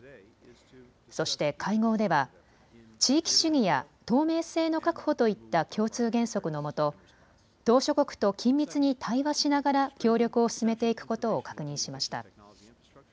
そして会合では地域主義や透明性の確保といった共通原則のもと島しょ国と緊密に対話しながら協力を進めていくことを確認しました。